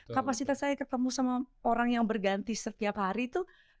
kapasitas saya ketemu sama orang yang berganti setiap hari itu